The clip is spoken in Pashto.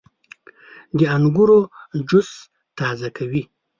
• د انګورو جوس تازه کوي.